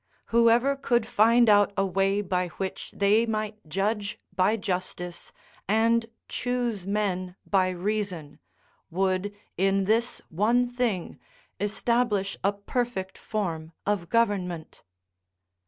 Whoever could find out a way by which they might judge by justice, and choose men by reason, would, in this one thing, establish a perfect form of government.